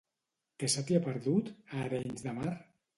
Què se t'hi ha perdut, a Arenys de Mar?